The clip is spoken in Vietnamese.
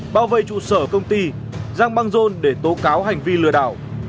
bao vây trụ sở công ty giang bang dôn để tố cáo hành vi lừa đảo